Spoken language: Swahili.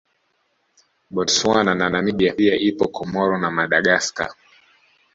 Botswana na Namibia pia ipo Comoro na Madagascar